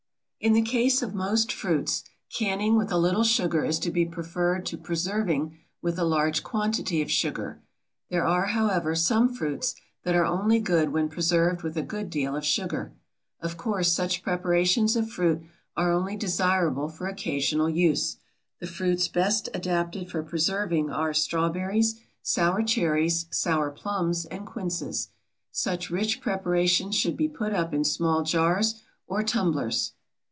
In the case of most fruits, canning with a little sugar is to be preferred to preserving with a large quantity of sugar. There are, however, some fruits that are only good when preserved with a good deal of sugar. Of course, such preparations of fruit are only desirable for occasional use. The fruits best adapted for preserving are strawberries, sour cherries, sour plums, and quinces. Such rich preparations should be put up in small jars or tumblers.